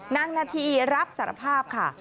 นาทีรับสารภาพค่ะ